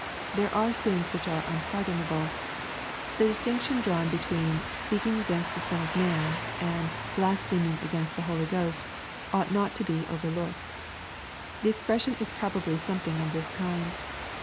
There are sins which are unpardonable. — The distinction drawn between " speaking against the Son of man," and " blaspheming against the Holy Ghost," ought not to be over looked. The explanation is probably something of this kind.